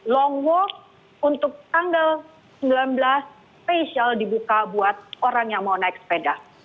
long walk untuk tanggal sembilan belas spesial dibuka buat orang yang mau naik sepeda